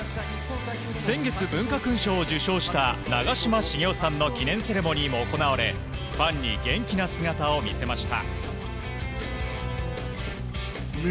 先月、文化勲章を受章した長嶋茂雄さんの記念セレモニーも行われファンに元気な姿を見せました。